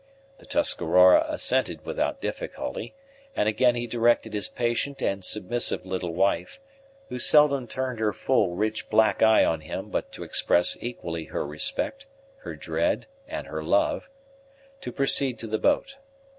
The Tuscarora assented without difficulty, and again he directed his patient and submissive little wife, who seldom turned her full rich black eye on him but to express equally her respect, her dread, and her love, to proceed to the boat.